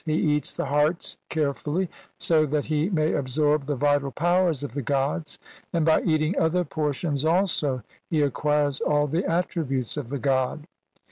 He eats the hearts carefully so that he may absorb the vital powers of the gods, and by eating other portions also he ac quires all the attributes of the god.